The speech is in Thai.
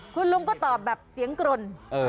คุณลุงก็ตอบแบบเสียงกรน